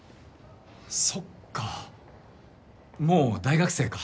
そっかもう大学生か。